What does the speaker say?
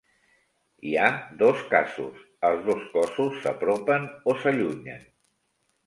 Hi ha dos casos: els dos cossos s'apropen o s'allunyen.